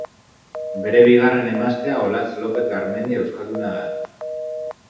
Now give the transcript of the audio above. Bere bigarren emaztea Olatz Lopez Garmendia euskalduna da.